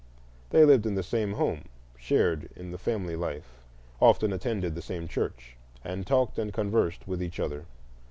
They lived in the same home, shared in the family life, often attended the same church, and talked and conversed with each other.